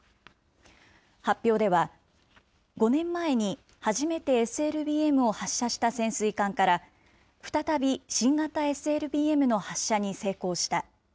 発表では、５年前に初めてＳＬＢＭを発射した潜水艦から、再び新型ＳＬＢＭの発射に成功した。